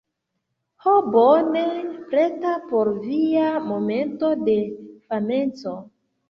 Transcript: Ho bone... preta por via momento de fameco